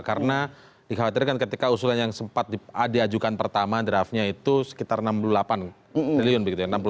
karena dikhawatirkan ketika usulan yang sempat diajukan pertama draftnya itu sekitar enam puluh delapan triliun